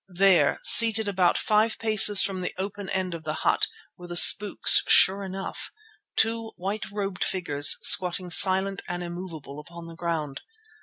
There, seated about five paces from the open end of the hut were the "spooks" sure enough, two white robed figures squatting silent and immovable on the ground.